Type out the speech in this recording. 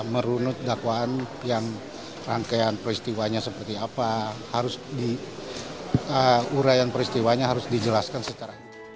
merunut dakwaan yang rangkaian peristiwanya seperti apa uraian peristiwanya harus dijelaskan secara